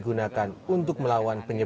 dapat terpantau kondisi airnya